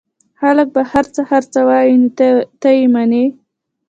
خلک به هرڅه هرڅه وايي نو ته يې منې؟